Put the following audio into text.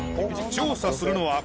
調査するのは。